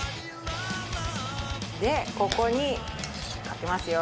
でここにかけますよ。